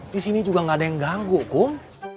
di sini juga gak ada yang ganggu kom